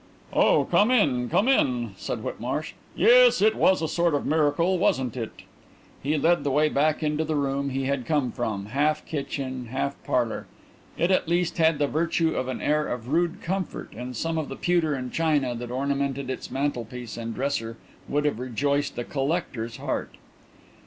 "Oh, come in, come in," said Whitmarsh. "Yes ... it was a sort of miracle, wasn't it?" He led the way back into the room he had come from, half kitchen, half parlour. It at least had the virtue of an air of rude comfort, and some of the pewter and china that ornamented its mantelpiece and dresser would have rejoiced a collector's heart.